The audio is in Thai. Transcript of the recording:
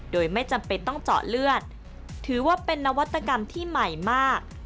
โดยไม่จำเป็นต้องเจาะเลือดถือว่าเป็นนวัตกรรมที่ใหม่มาก